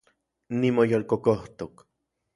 Nimoyolkokojtok